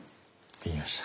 できました。